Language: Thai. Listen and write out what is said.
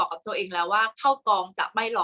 กากตัวทำอะไรบ้างอยู่ตรงนี้คนเดียว